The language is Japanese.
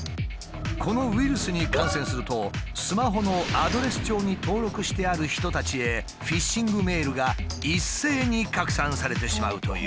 このウイルスに感染するとスマホのアドレス帳に登録してある人たちへフィッシングメールが一斉に拡散されてしまうという。